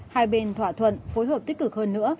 hai bên thỏa thuận phối hợp tích cực hơn nữa